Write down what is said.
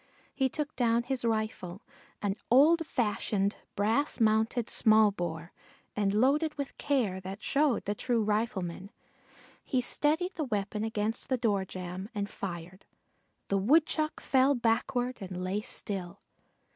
He took down his rifle, an old fashioned brass mounted small bore, and loading with care that showed the true rifleman, he steadied the weapon against the door jamb and fired. The Woodchuck fell backward and lay still.